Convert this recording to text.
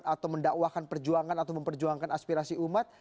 atau mendakwakan perjuangan atau memperjuangkan aspirasi umat